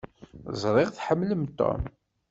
Ẓriɣ tḥemmlem Tom.